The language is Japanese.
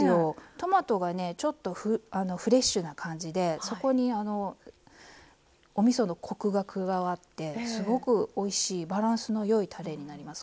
トマトがねちょっとフレッシュな感じでそこにおみそのコクが加わってすごくおいしいバランスのよいたれになります。